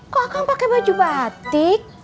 kok akang pake baju batik